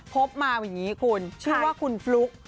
พบมาอย่างนี้คุณชื่อว่าคุณฟลุ๊ก